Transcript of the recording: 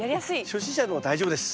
初心者でも大丈夫です。